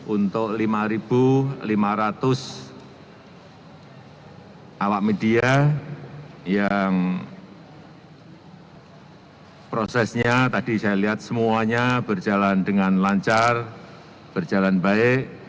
untuk lima lima ratus awak media yang prosesnya tadi saya lihat semuanya berjalan dengan lancar berjalan baik